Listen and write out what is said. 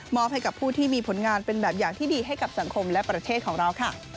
ให้กับผู้ที่มีผลงานเป็นแบบอย่างที่ดีให้กับสังคมและประเทศของเราค่ะ